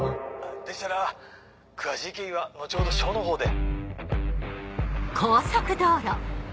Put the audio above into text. でしたら詳しい経緯は後ほど署の方で。